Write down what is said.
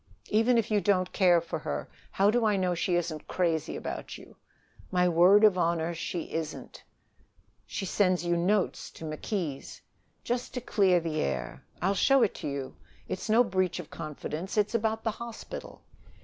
"Even if you don't care for her, how do I know she isn't crazy about you?" "My word of honor, she isn't." "She sends you notes to McKees'." "Just to clear the air, I'll show it to you. It's no breach of confidence. It's about the hospital."